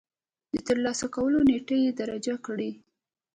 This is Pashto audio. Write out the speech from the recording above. د ترلاسه کولو نېټه يې درج کړئ.